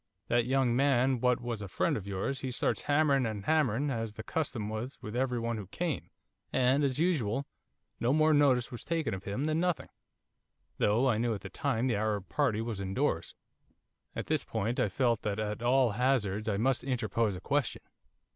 That young man what was a friend of yours, he starts hammering, and hammering, as the custom was with every one who came, and, as usual, no more notice was taken of him than nothing, though I knew that all the time the Arab party was indoors.' At this point I felt that at all hazards I must interpose a question.